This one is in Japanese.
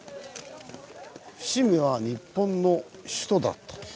「伏見は“日本の首都”だった⁉」。